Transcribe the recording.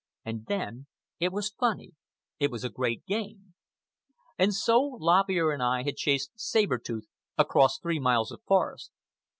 And then it was funny. It was a great game. And so Lop Ear and I had chased Saber Tooth across three miles of forest.